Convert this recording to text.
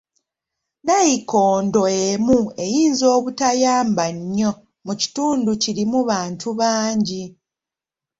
Nayikondo emu eyinza obutayamba nnyo mu kitundu kirimu bantu bangi.